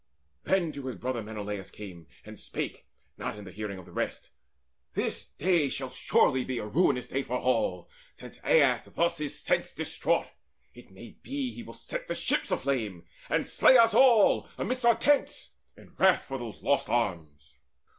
Then to his brother Menelaus came, And spake, but not in hearing of the rest: "This day shall surely be a ruinous day For all, since Aias thus is sense distraught. It may be he will set the ships aflame, And slay us all amidst our tents, in wrath For those lost arms.